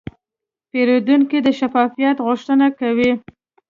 پیرودونکی د شفافیت غوښتنه کوي.